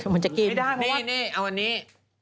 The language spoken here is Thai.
มันจะกินนี่เอาอันนี้